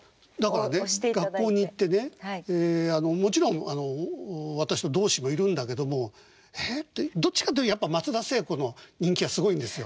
だからね学校に行ってねもちろん私の同志もいるんだけどもどっちかっていうとやっぱ松田聖子の人気がすごいんですよ。